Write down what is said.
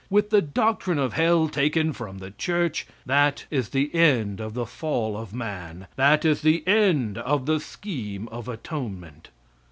With the doctrine of hell taken from the Church, that is the end of the fall of man, that is the end of the scheme of atonement.